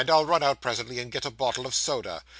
I'll run out presently, and get a bottle of soda.